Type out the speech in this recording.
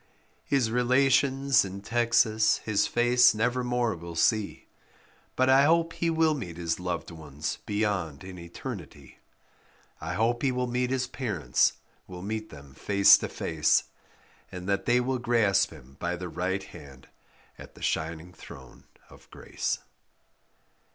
His relations in Texas his face never more will see, But I hope he will meet his loved ones beyond in eternity. I hope he will meet his parents, will meet them face to face, And that they will grasp him by the right hand at the shining throne of grace.